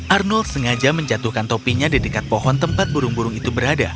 arnold sengaja menjatuhkan topinya di dekat pohon tempat burung burung itu berada